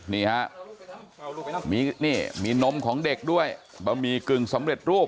นี่ฮะมีนี่มีนมของเด็กด้วยบะหมี่กึ่งสำเร็จรูป